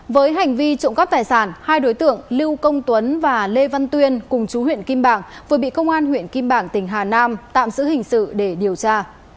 với hành vi trộm cắp tài sản hai đối tượng lưu công tuấn và lê văn tuyên cùng chú huyện kim bảng vừa bị công an huyện kim bảng tỉnh hà nam tạm giữ hình sự để điều tra